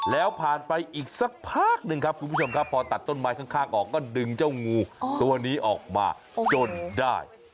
แล้วผ่านไปอีกสักพักหนึ่งครับคุณผู้ชมครับพอตัดต้นไม้ข้างออกก็ดึงเจ้างูตัวนี้ออกมาจนได้